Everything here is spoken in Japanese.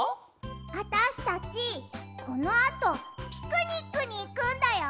あたしたちこのあとピクニックにいくんだよ。